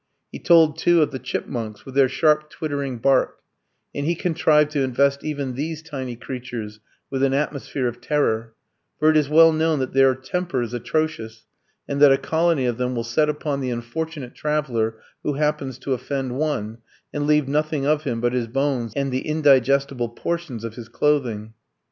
He told, too, of the chip munks, with their sharp twittering bark; and he contrived to invest even these tiny creatures with an atmosphere of terror for it is well known that their temper is atrocious, and that a colony of them will set upon the unfortunate traveller who happens to offend one, and leave nothing of him but his bones and the indigestible portions of his clothing.